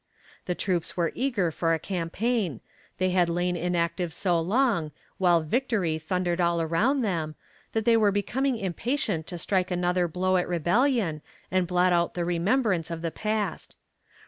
The troops were eager for a campaign; they had lain inactive so long, while "victory" thundered all around them, that they were becoming impatient to strike another blow at rebellion, and blot out the remembrance of the past.